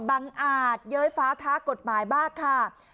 บังอาจเย้ยฟ้าทะกต์หมายบ้างค่ะ